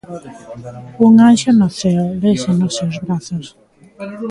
Un anxo no ceo, lese nos seus brazos.